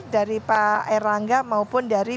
dari pak erlangga maupun dari